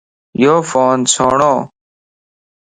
يو فون سھڻوَ